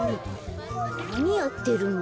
なにやってるの？